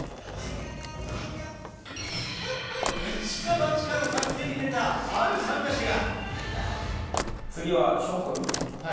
イチかバチかの作戦に出たある参加者が。